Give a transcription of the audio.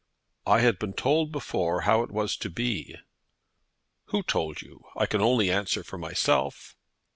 "I had been told before how it was to be." "Who told you? I can only answer for myself."